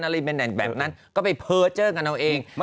อะไรแบบนั้นก็ไปเพ้อเจอกันเอาเอง